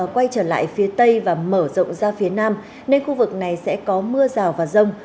quay trở lại phía tây và mở rộng ra phía nam nên khu vực này sẽ có mưa rào và rông